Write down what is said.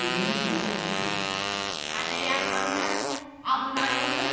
かぜやカミナリもあぶないわね。